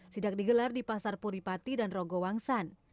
sidak digelar di pasar puripati dan rogowangsan